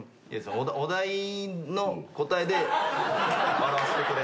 お題の答えで笑わせてくれ。